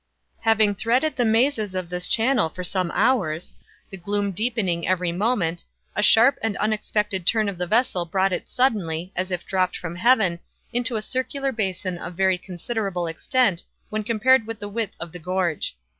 Having threaded the mazes of this channel for some hours, the gloom deepening every moment, a sharp and unexpected turn of the vessel brought it suddenly, as if dropped from heaven, into a circular basin of very considerable extent when compared with the width of the gorge.